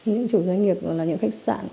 những chủ doanh nghiệp là những khách sạn